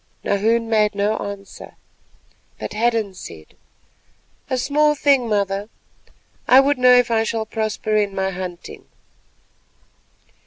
Nahoon made no answer, but Hadden said:— "A small thing, mother. I would know if I shall prosper in my hunting."